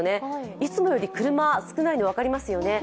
いつもより車、少ないの分かりますよね。